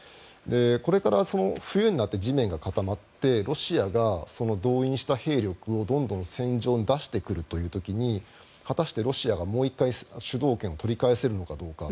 これから冬になって地面が固まってロシアが動員した兵力をどんどん戦場に出してくるという時に果たしてロシアがもう一回主導権を取り返せるのかどうか。